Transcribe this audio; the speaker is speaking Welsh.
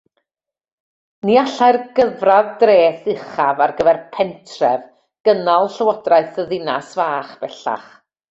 Ni allai'r gyfradd dreth uchaf ar gyfer "Pentref" gynnal llywodraeth y ddinas fach bellach.